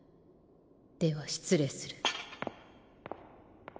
では失礼する。